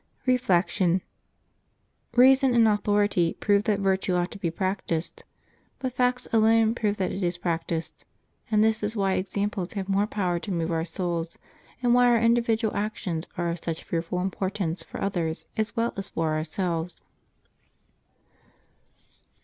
Reflection. — Eeason and authority prove that virtue ought to be practised. But facts alone prove that it is practised; and this is why examples have more power to move our souls, and why our individual actions are of such fearful importance for others as well as for ourselves..